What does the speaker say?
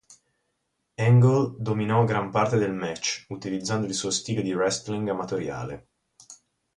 Angle dominò gran parte del match utilizzando il suo stile di wrestling amatoriale.